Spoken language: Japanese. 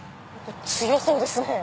強そうですね。